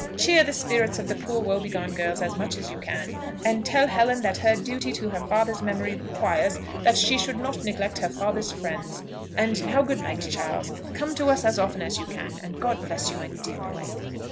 Cheer the spirits of the poor woe begone girls as much as you can; and tell Helen that her duty to her father's memory requires that she should not neglect her father's friends. And now good night, Charles! Come to us as often as you can; and God bless you, my dear boy!"